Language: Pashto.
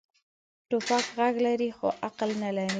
توپک غږ لري، خو عقل نه لري.